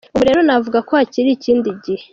Ubu rero navuga ko hakiri ikindi gihe.